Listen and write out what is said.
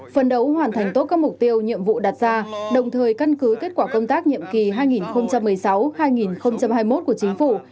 phân đấu hoàn thành tốt các mục tiêu nhiệm vụ đặt ra đồng thời căn cứ kết quả công tác nhiệm kỳ hai nghìn một mươi sáu hai nghìn hai mươi một của chính phủ